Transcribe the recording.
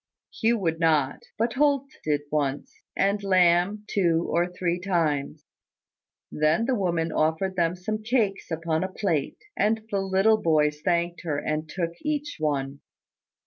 Hugh would not: but Holt did once; and Lamb, two or three times. Then the woman offered them some cakes upon a plate: and the little boys thanked her, and took each one.